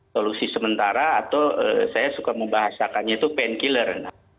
solusi sementara atau saya suka membahasakannya itu pain killer